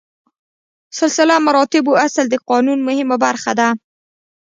سلسله مراتبو اصل د قانون مهمه برخه ده.